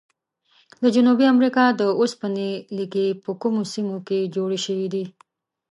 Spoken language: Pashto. د جنوبي امریکا د اوسپنې لیکي په کومو سیمو کې جوړې شوي دي؟